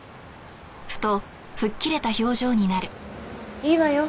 いいわよ。